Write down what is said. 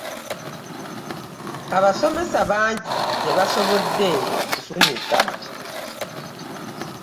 Abasomesa bangi tebasobodde kufunika.